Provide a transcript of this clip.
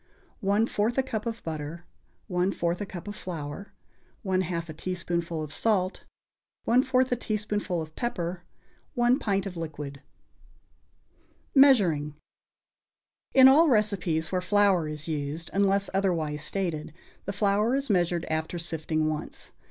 1/4 a cup of butter. 1/4 a cup of flour. 1/2 a teaspoonful of salt. 1/4 a teaspoonful of pepper. 1 pint of liquid. =Measuring.= In all recipes where flour is used, unless otherwise stated, the flour is measured after sifting once.